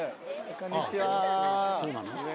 こんにちは。